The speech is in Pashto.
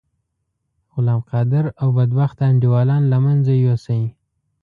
غلام قادر او بدبخته انډيوالان له منځه یوسی.